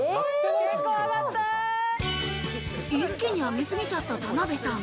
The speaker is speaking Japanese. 一気に上げすぎちゃった田辺さん。